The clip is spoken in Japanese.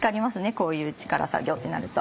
こういう力作業ってなると。